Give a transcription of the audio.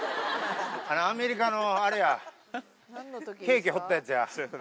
あのアメリカのあれや、ケーキ放ったやつや。